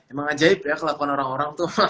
emang ajaib ya kelakuan orang orang tuh